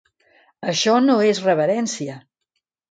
Això no és reverència.